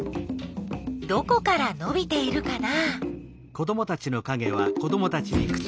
どこからのびているかな？